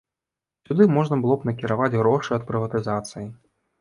Сюды можна было б накіраваць грошы ад прыватызацыі.